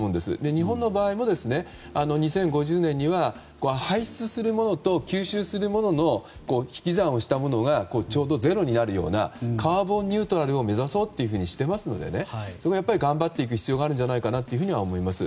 日本の場合も、２０５０年には排出するものと吸収するものの引き算をしたものがちょうどゼロになるようなカーボンニュートラルを目指そうというふうにしてますのでそこは頑張っていく必要があるんじゃないかと思います。